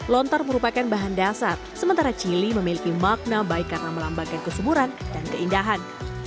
lontar merupakan bahan dasar sementara cili memiliki makna baik karena melambangkan kesuburan dan keindahan